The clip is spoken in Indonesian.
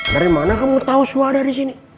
dari mana kamu tau suha ada disini